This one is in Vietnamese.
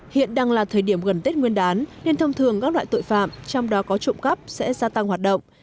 hiện đang là thời điểm gần tết nguyên đán nên thông thường các loại tội phạm trong đó có trộm cắp sẽ gia tăng hoạt động